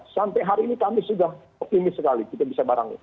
sampai hari ini kami sudah optimis sekali kita bisa bareng